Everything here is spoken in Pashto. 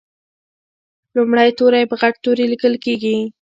لومړی توری په غټ توري لیکل کیږي.